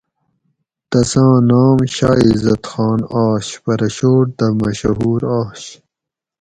تساں نام شاہ عزت خان آش پرہ شوٹ دہ مشہور آش